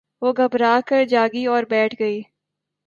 وہ گھبرا کر جاگی اور بیٹھ گئی